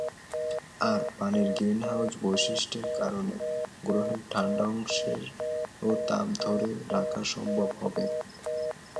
আর পানির গ্রিনহাউজ বৈশিষ্ট্যর কারণে গ্রহের ঠান্ডা অংশেও তাপ ধরে রাখা সম্ভব হবে।